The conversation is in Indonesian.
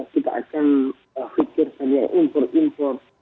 kita akan pikirkan yang import import